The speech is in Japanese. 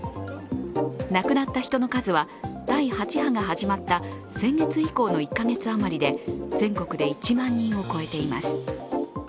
亡くなった人の数は、第８波が始まった先月以降の１か月あまりで全国で１万人を超えています。